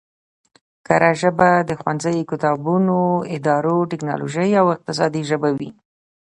کره ژبه د ښوونځیو، کتابونو، ادارو، ټکنولوژۍ او اقتصاد ژبه وي